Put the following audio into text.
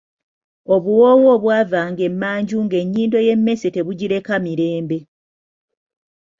Obuwoowo obw'ava nga emanju ng'ennyindo y'emmesse tebugireka mirembe!